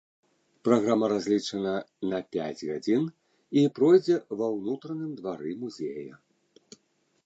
Праграма разлічана на пяць гадзін і пройдзе ва ўнутраным двары музея.